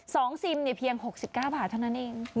สองซิมเพียง๖๙บาทเท่านั้นเอง